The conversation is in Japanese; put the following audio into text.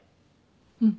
うん。